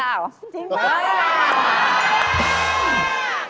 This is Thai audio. จริงป่ะ